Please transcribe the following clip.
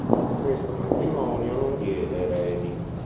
Questo matrimonio non diede eredi.